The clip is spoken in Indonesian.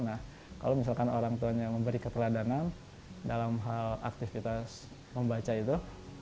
nah kalau misalkan orang tuanya memberi keteladanan dalam hal aktivitas membaca itu